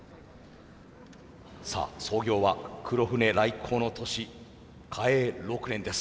創業は黒船来航の年嘉永６年です。